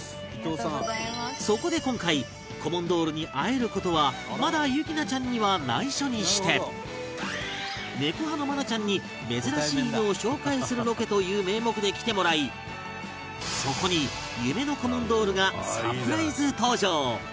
そこで今回コモンドールに会える事はまだ幸奈ちゃんには内緒にして猫派の愛菜ちゃんに珍しい犬を紹介するロケという名目で来てもらいそこに夢のコモンドールがサプライズ登場という流れに